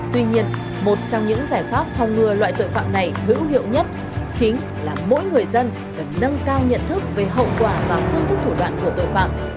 tuy nhiên một trong những giải pháp phòng ngừa loại tội phạm này hữu hiệu nhất chính là mỗi người dân cần nâng cao nhận thức về hậu quả và phương thức thủ đoạn của tội phạm